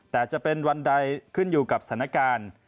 แต่จะเป็นวันใดขึ้นอยู่กับสถานการณ์